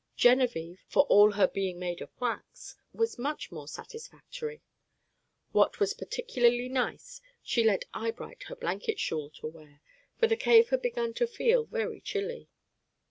Genevieve, for all her being made of wax, was much more satisfactory. What was particularly nice, she lent Eyebright her blanket shawl to wear, for the cave had begun to feel very chilly.